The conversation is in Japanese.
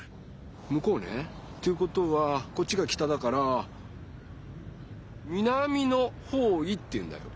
むこうね。ということはこっちが北だから南の方位っていうんだよ。